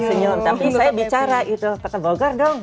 senyum tapi saya bicara gitu kata bogor dong